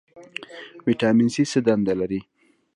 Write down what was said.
ویټامین سي څه دنده لري؟